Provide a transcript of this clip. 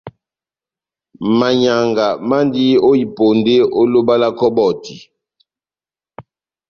Manyianga mandi ó iponde ó loba lá kɔbɔti.